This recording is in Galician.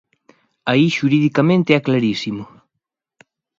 Aí xuridicamente é clarísimo.